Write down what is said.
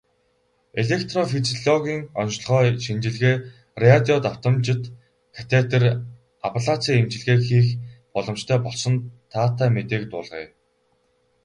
Электрофизиологийн оношилгоо, шинжилгээ, радио давтамжит катетр аблаци эмчилгээг хийх боломжтой болсон таатай мэдээг дуулгая.